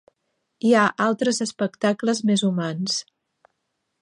Hi ha altres espectacles més humans